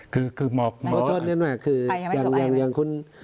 คือคือหมอกโทษโทษนี่หน่อยคืออย่างอย่างอย่างคุณ